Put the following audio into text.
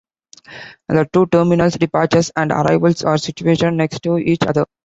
The two terminals, departures and arrivals, are situated next to each other.